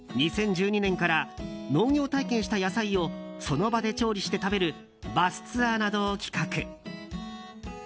２０１２年から農業体験した野菜をその場で調理して食べるバスツアーなどを企画。